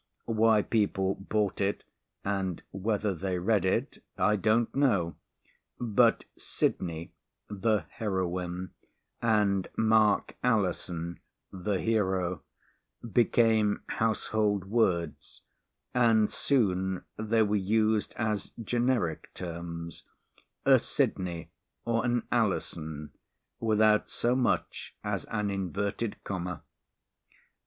Why people bought it and whether they read it, I don't know, but Sydney (the heroine) and Mark Allison (the hero) became household words and soon they were used as generic terms a Sydney, or an Allison, without so much as an inverted comma!